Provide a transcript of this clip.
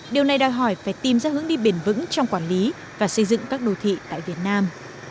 điều này đòi hỏi phải tìm ra hướng đi bền vững trong quản lý và xây dựng các đô thị tại việt nam